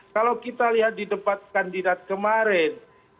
kalau kita lihat di debat kandidat kemarin